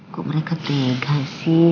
kok mereka tiga sih